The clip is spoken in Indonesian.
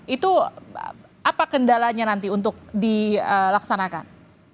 itu apa kendalanya nanti untuk dilaksanakan